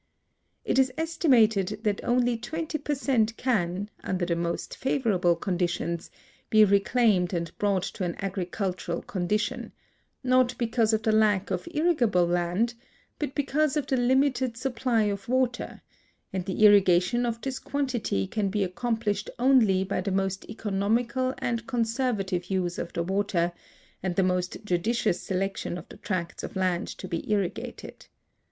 It is estimated that only 20 per cent can, under the most favorable conditions, be reclaimed and brought to an agricultural condition, not because of the lack of irrigable land, but because of the limited supply of water, and the irrigation of this quantity can be accomplished only by the most economical and conservative use of the water and the most judicious selection of the tracts of land to be irrigated.